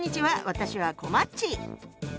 私はこまっち。